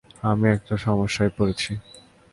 আমি একটা সমস্যায় পড়েছি।